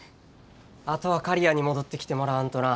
あとは刈谷に戻ってきてもらわんとな。